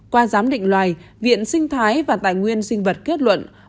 qua giám định loài viện sinh thái và tài nguyên sinh vật kết luận